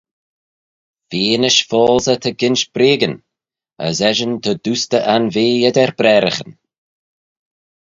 Feanish foalsey ta ginsh breagyn, as eshyn ta doostey anvea eddyr braaraghyn.